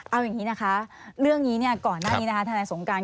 เอาอย่างนี้นะคะเรื่องนี้ก่อนหน้านี้นะคะทนายสงการ